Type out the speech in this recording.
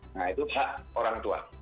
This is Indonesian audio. nah itu hak orang tua